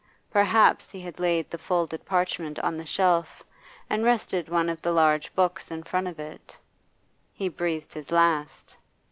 Perhaps he laid the folded parchment on the shelf and rested one of the large books in front of it. He breathed his last.